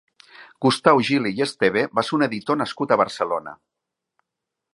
Gustau Gili i Esteve va ser un editor nascut a Barcelona.